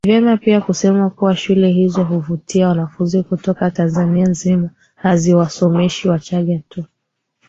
vema pia kusema kuwa shule hizo huvutia wanafunzi kutoka Tanzania nzima haziwasomeshi Wachagga tu